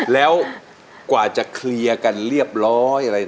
แล้วกว่าจะเคลียร์กันเรียบร้อยอะไร